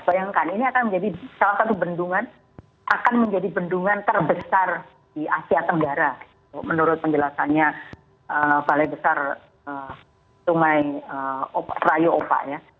bayangkan ini akan menjadi salah satu bendungan akan menjadi bendungan terbesar di asia tenggara menurut penjelasannya balai besar sungai rayo ova ya